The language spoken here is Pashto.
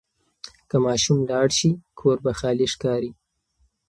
که ماشوم لاړ شي، کور به خالي ښکاري.